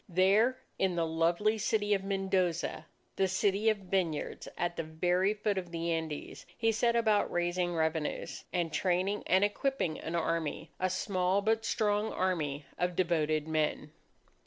There in the lovely city of Mendoza, the city of vineyards, at the very foot of the Andes, he set about raising revenues, and training and equipping an army a small but strong army of devoted men.